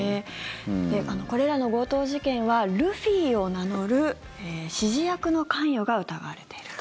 これらの強盗事件はルフィを名乗る指示役の関与が疑われていると。